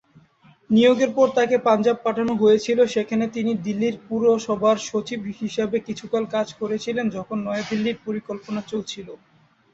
নিয়োগের পর তাকে পাঞ্জাব পাঠানো হয়েছিল, সেখানে তিনি দিল্লির পুরসভার সচিব হিসাবে কিছুকাল কাজ করেছিলেন যখন নয়াদিল্লির পরিকল্পনা চলছিল।